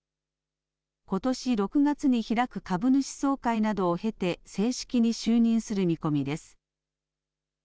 ことし６月に開く株主総会などを経て、正式に就任する見込みです。